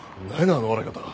あの笑い方。